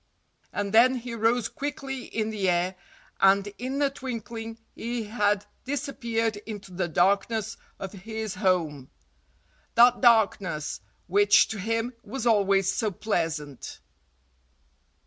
And then he rose quickly in the air and in a twinkling he had disappeared into the darkness of his home—that darkness which to him was always so pleasant.